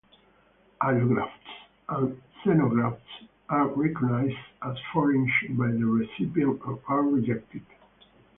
Allografts and xenografts are recognized as foreign by the recipient and are rejected.